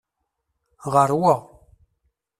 Ɣeṛ wa!